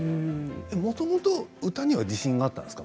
もともと歌には自信があったんですか？